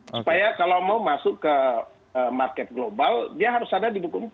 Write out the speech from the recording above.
supaya kalau mau masuk ke market global dia harus ada di buku empat